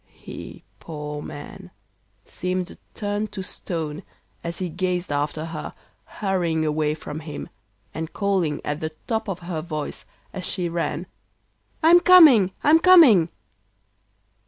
He, poor man, seemed turned to stone as he gazed after her hurrying away from him, and calling at the top of her voice, as she ran: 'I am coming! I am coming!